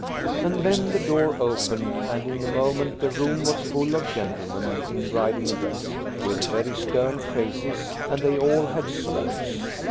And then the door opened, and in a moment the room was full of gentlemen in riding dress, with very stern faces. And they all had swords.